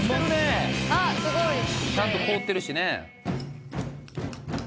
ちゃんと凍ってるしね。